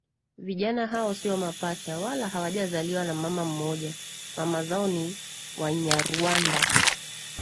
Vijana hao sio mapacha wala hawajazaliwa na mama mmoja mama zao ni wanyarwanda